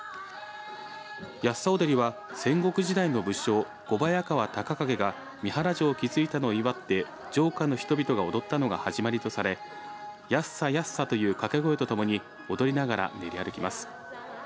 やっさ踊りは戦国時代の武将小早川隆景が三原城を築いたのを祝って城下の人々が踊ったのが始まりとされやっさ、やっさという掛け声とともに踊りながら練り歩きます。